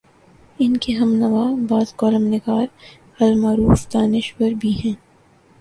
ان کے ہم نوا بعض کالم نگار المعروف دانش ور بھی ہیں۔